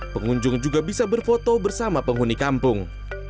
pengunjung juga bisa berfoto bersama penghuni kampung